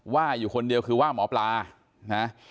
ว่าอยู่คนเดียวคือว่าหมอปลานะ